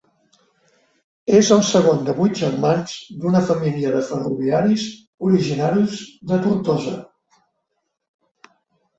És el segon de vuit germans d'una família de ferroviaris originaris de Tortosa.